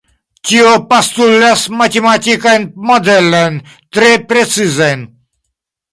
Tio postulas matematikajn modelojn tre precizajn.